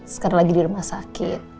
sekali lagi di rumah sakit